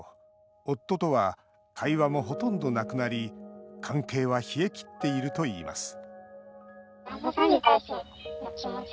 夫とは会話もほとんどなくなり関係は冷えきっているといいます